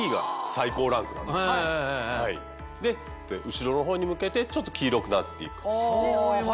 後ろの方に向けてちょっと黄色くなっていく。